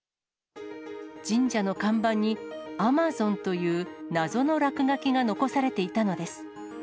神社の看板に、Ａｍａｚｏｎ！という謎の落書きが残されていたのです。